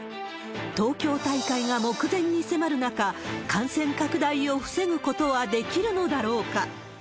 東京大会が目前に迫る中、感染拡大を防ぐことはできるのだろうか。